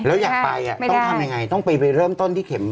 แล้วอยากไปต้องทำยังไงต้องไปเริ่มต้นที่เข็ม